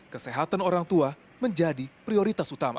kesehatan orang tua menjadi prioritas utama